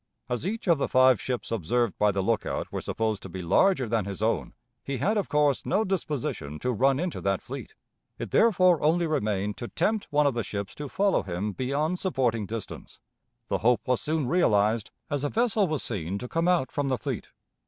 As each of the five ships observed by the lookout were supposed to be larger than his own, he had of course no disposition to run into that fleet. It therefore only remained to tempt one of the ships to follow him beyond supporting distance. The hope was soon realized, as a vessel was seen to come out from the fleet.